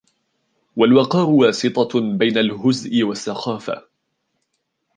وَالْوَقَارُ وَاسِطَةٌ بَيْنَ الْهُزْءِ وَالسَّخَافَةِ